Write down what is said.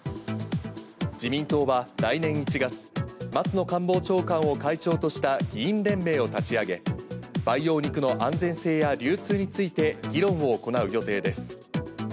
自民党は来年１月、松野官房長官を会長とした議員連盟を立ち上げ、培養肉の安全性や流通について議論を行う予定です。